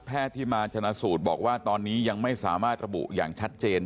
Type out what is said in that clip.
ที่มาชนะสูตรบอกว่าตอนนี้ยังไม่สามารถระบุอย่างชัดเจน